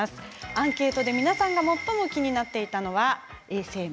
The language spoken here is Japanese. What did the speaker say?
アンケートで皆さんが最も気になっていたのは衛生面。